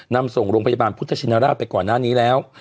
นำส่งโรงพยาบาลพุทธชินราชไปก่อนหน้านี้แล้ว